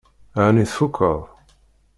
Ɛni tfukkeḍ?